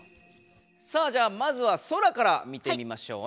さあじゃあまずはソラから見てみましょう。